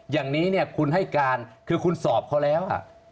อย่างนี้เนี่ยคุณให้การคือคุณสอบเขาแล้ว